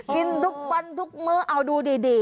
กินทุกวันทุกมื้อเอาดูดี